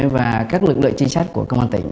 và các lực lượng trinh sát của công an tỉnh